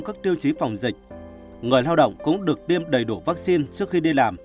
các tiêu chí phòng dịch người lao động cũng được tiêm đầy đủ vaccine trước khi đi làm